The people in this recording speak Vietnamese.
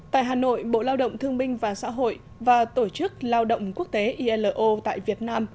tại hà nội bộ lao động thương minh và xã hội và tổ chức lao động quốc tế ilo tại việt nam